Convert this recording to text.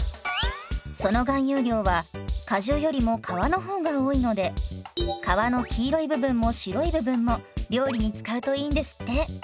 その含有量は果汁よりも皮の方が多いので皮の黄色い部分も白い部分も料理に使うといいんですって。